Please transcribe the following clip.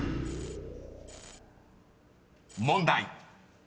［問題］